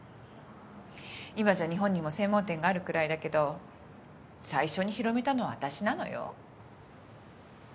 今じゃ日本にも専門店があるくらいだけど最初に広めたのは私なのよ。